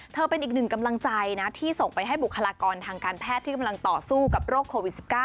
เป็นอีกหนึ่งกำลังใจนะที่ส่งไปให้บุคลากรทางการแพทย์ที่กำลังต่อสู้กับโรคโควิด๑๙